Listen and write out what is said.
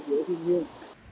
giữa thiên nhiên